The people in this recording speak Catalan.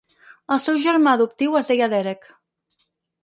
El seu germà adoptiu es deia Derek.